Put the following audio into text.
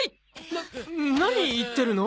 な何言ってるの？